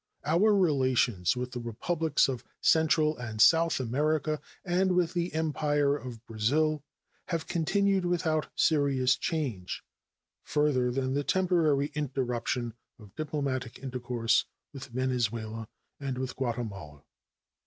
Our relations with the Republics of Central and South America and with the Empire of Brazil have continued without serious change, further than the temporary interruption of diplomatic intercourse with Venezuela and with Guatemala.